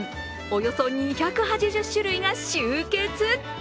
およそ２８０種類が集結。